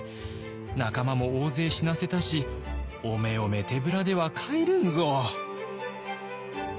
仲間も大勢死なせたしおめおめ手ぶらでは帰れんぞ」。